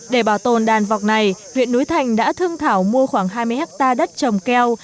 để bảo tồn đàn vọc này huyện núi thành đã thương thảo mua khoảng hai mươi hectare đất trồng keo